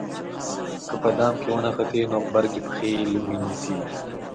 که په دام کې ونښتې نو غبرګې پښې یې لومې نیسي.